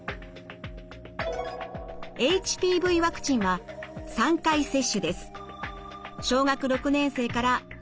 ＨＰＶワクチンは３回接種です。